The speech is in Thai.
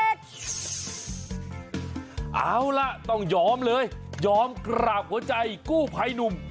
เอาล่ะต้องยอมเลยยอมกราบหัวใจกู้ภัยหนุ่ม